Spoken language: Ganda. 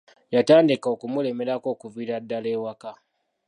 Yatandika okumulemerako okuviira ddala ewaka.